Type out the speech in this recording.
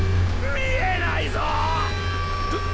見えないぞッ！